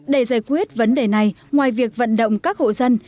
để giải quyết vấn đề này ngoài việc vận động các hộ dân